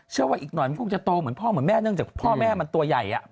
เชื่อว่าอีกหน่อยมันคงจะโตเหมือนพ่อแม่เนื่องจากพ่อแม่มันตัวใหญ่